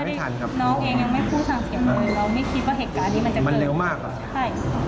ไม่ได้สั่งเสียไม่ได้มาไม่ทันกัน